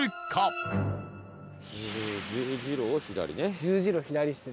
十字路を左ね。